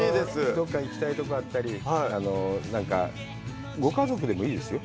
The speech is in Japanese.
どこか行きたいところがあったり、なんか、ご家族でもいいですよ。